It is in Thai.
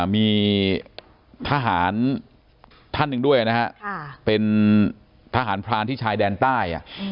มีทหารท่านหนึ่งด้วยนะฮะเป็นทหารพรานที่ชายแดนใต้